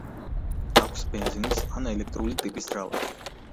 აქვს ბენზინის ან ელექტრული ტიპის ძრავა.